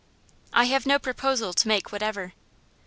'I have no proposal to make whatever.